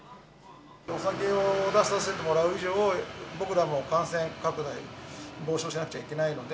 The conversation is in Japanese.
お酒を出させてもらう以上、僕らも感染拡大防止をしなくちゃいけないので。